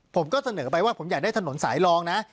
ผมก็เสนอไปว่าผมอยากได้ถนนสายรองนะ